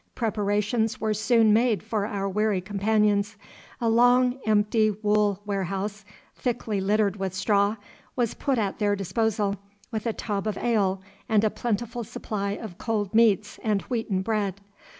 Preparations were soon made for our weary companions. A long empty wool warehouse, thickly littered with straw, was put at their disposal, with a tub of ale and a plentiful supply of cold meats and wheaten bread.